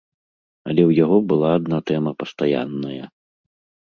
Але ў яго была адна тэма пастаянная.